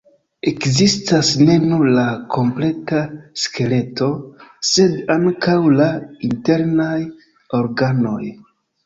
Ekzistas ne nur la kompleta skeleto, sed ankaŭ la internaj organoj.